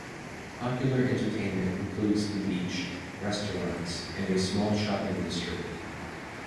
Popular entertainment includes the beach, restaurants, and a small shopping district.